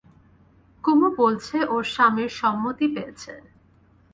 কুমু বলছে ওর স্বামীর সম্মতি পেয়েছে।